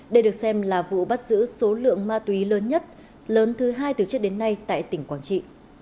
đây được xem là vụ bắt giữ số lượng ma túy lớn nhất lớn thứ hai từ trước đến nay tại tỉnh quảng trị